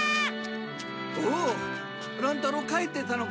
おお乱太郎帰ってたのか。